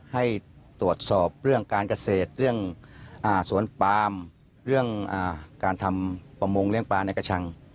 ให้ตรวจสอบเรื่องการเกษตรเรื่องสวนปามเรื่องการทำประมงเลี้ยปลาในกระชัง